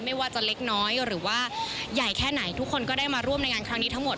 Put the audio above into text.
ไม่ว่าจะเล็กน้อยหรือว่าใหญ่แค่ไหนทุกคนก็ได้มาร่วมในงานครั้งนี้ทั้งหมด